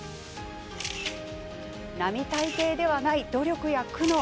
並大抵ではない努力や苦悩。